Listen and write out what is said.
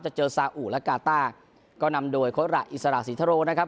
เจอซาอุและกาต้าก็นำโดยโค้ดระอิสระศรีทโรนะครับ